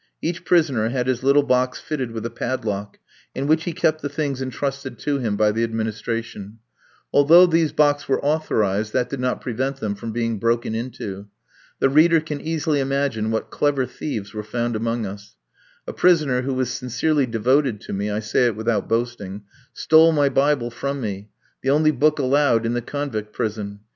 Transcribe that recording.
Each prisoner had his little box fitted with a padlock, in which he kept the things entrusted to him by the administration. Although these boxes were authorised, that did not prevent them from being broken into. The reader can easily imagine what clever thieves were found among us. A prisoner who was sincerely devoted to me I say it without boasting stole my Bible from me, the only book allowed in the convict prison.